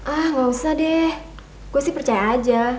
ah gak usah deh gue sih percaya aja